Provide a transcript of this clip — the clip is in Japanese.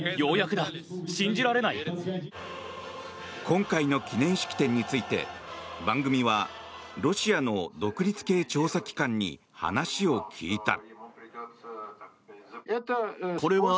今回の記念式典について番組はロシアの独立系調査機関に話を聞いた。